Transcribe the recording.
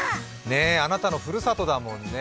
ねえ、あなたのふるさとだもんね。